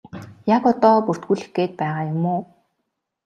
Яг одоо бүртгүүлэх гээд байгаа юм уу?